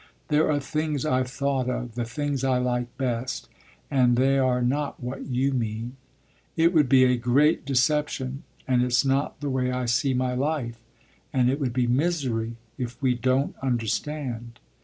"There are things I've thought of, the things I like best; and they're not what you mean. It would be a great deception, and it's not the way I see my life, and it would be misery if we don't understand."